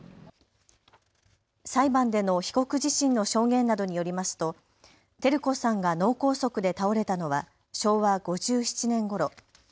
裁判での被告自身の証言などによりますと照子さんが脳梗塞で倒れたのは昭和５７年ごろ。